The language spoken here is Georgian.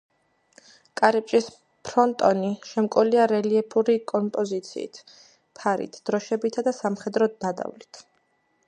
კარიბჭის ფრონტონი შემკულია რელიეფური კომპოზიციით ფარით, დროშებითა და სამხედრო ნადავლით.